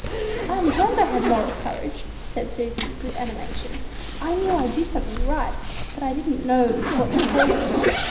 "I am glad I had moral courage!" said Susy with animation. "I knew I did something right, but I didn't know what you called it."